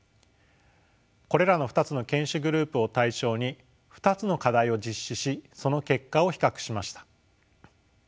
これらの２つの犬種グループを対象に２つの課題を実施しその結果を比較しました。